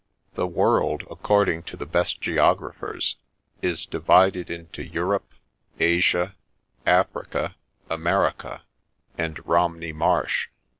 The World, according to the best geographers, is divided into Europe, Asia, Africa, America, and Romney Marsh.